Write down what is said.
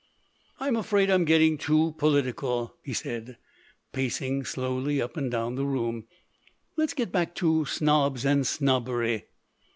"I'm afraid I'm getting too political/' he said, pacing slowly up and down the room. "Let's get back to snobs and snobbery.